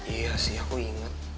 iya sih aku inget